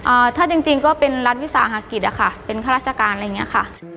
ถ้าจริงจริงก็เป็นรัฐวิสาหกิจอะค่ะเป็นข้าราชการอะไรอย่างเงี้ยค่ะ